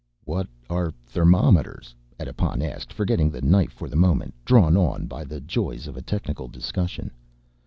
"What are thermometers?" Edipon asked, forgetting the knife for the moment, drawn on by the joys of a technical discussion.